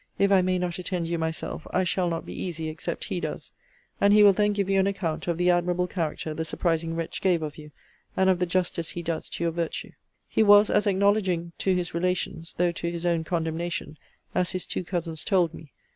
If I may not attend you myself, I shall not be easy except he does. And he will then give you an account of the admirable character the surprising wretch gave of you, and of the justice he does to your virtue. He was as acknowledging to his relations, though to his own condemnation, as his two cousins told me.